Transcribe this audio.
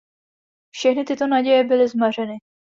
Všechny tyto naděje byly zmařeny.